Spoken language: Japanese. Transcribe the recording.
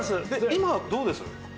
今どうです？